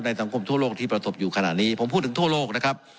สังคมทั่วโลกที่ประสบอยู่ขณะนี้ผมพูดถึงทั่วโลกนะครับ